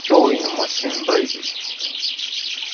脅威のマシンバイブ